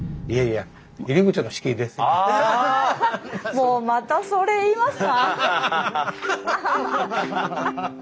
もうまたそれ言いますか？